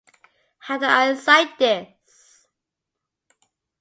How do I cite this?